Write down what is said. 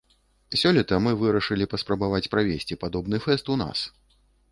Сёлета мы вырашылі паспрабаваць правесці падобны фэст у нас.